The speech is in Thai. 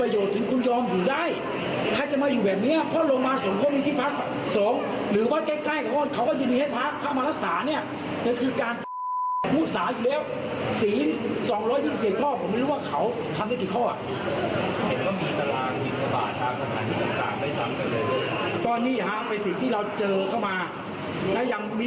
ยกอุปชามรณนักตั้งแต่ปี๒๔๙๙แปลกขึ้นมาแล้ว